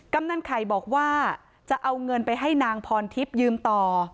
กำนันไข่บอกว่าจะเอาเงินไปให้นางพรทิพย์ยืมต่อ